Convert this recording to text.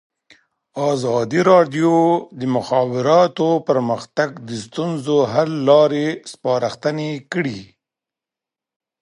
ازادي راډیو د د مخابراتو پرمختګ د ستونزو حل لارې سپارښتنې کړي.